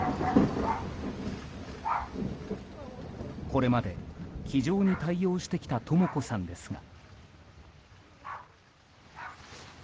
これまで気丈に対応してきたとも子さんですが。